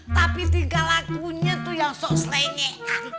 tapi tinggal akunya tuh yang sok selenyehan